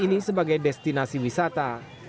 ini sebagai destinasi wisata